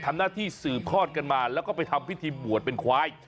ทำหน้าที่สืบทอดกันมาแล้วก็ไปทำพิธีบวชเป็นควาย